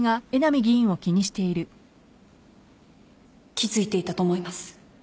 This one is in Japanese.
気付いていたと思います。